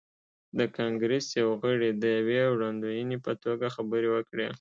د کانګریس یو غړي د یوې وړاندوینې په توګه خبرې وکړې.